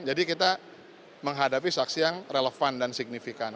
jadi kita menghadapi saksi yang relevan dan signifikan